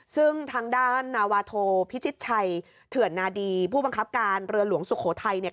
ซึ่งทางด้านนาวาโทพิชิตชัยเถื่อนนาดีผู้บังคับการเรือหลวงสุโขทัยเนี่ย